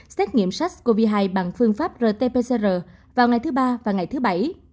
xét nghiệm sars cov hai bằng phương pháp rt pcr vào ngày thứ ba và ngày thứ bảy